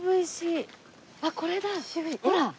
ほら！